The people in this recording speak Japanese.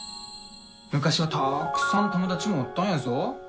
昔はたくさん友達もおったんやぞ。